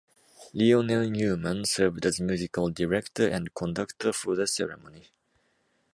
Lionel Newman served as musical director and conductor for the ceremony.